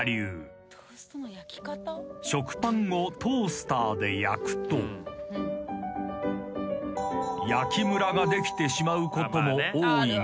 ［食パンをトースターで焼くと焼きむらができてしまうことも多いが］